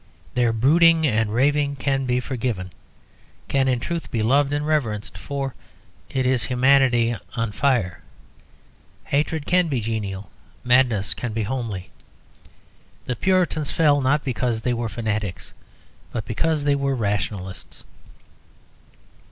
Their brooding and raving can be forgiven, can in truth be loved and reverenced, for it is humanity on fire; hatred can be genial, madness can be homely. The Puritans fell, not because they were fanatics, but because they were rationalists.